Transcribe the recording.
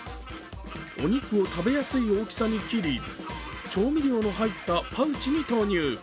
お肉を食べやすい大きさに切り、調味料の入ったパウチに投入。